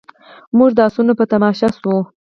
موږ د اسونو په تماشه شوو.